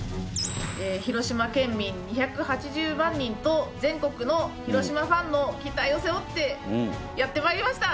広島県民２８０万人と全国の広島ファンの期待を背負ってやってまいりました。